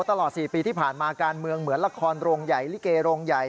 ตลอด๔ปีที่ผ่านมาการเมืองเหมือนละครโรงใหญ่ลิเกโรงใหญ่